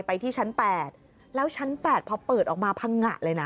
ที่ชั้น๘แล้วชั้น๘พอเปิดออกมาพังงะเลยนะ